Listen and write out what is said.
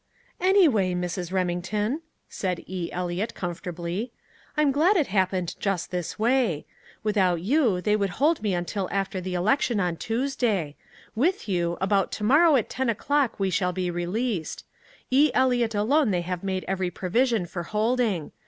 "Anyway, Mrs. Remington," said E. Eliot comfortably, "I'm glad it happened just this way. Without you, they would hold me until after the election on Tuesday. With you, about tomorrow at ten o'clock we shall be released. E. Eliot alone they have made every provision for holding.